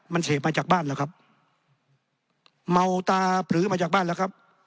มันเสพมาจากบ้านแล้วครับเมาตาปลือมาจากบ้านแล้วครับ